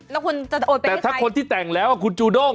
แล้วคุณจะโอนไปแล้วแต่ถ้าคนที่แต่งแล้วคุณจูด้ง